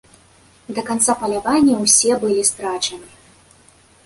Да канца плавання ўсе былі страчаны.